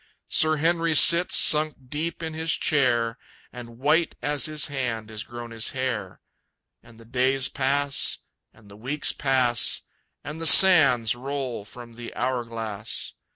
Sir Henry sits sunk deep in his chair, And white as his hand is grown his hair. And the days pass, and the weeks pass, And the sands roll from the hour glass.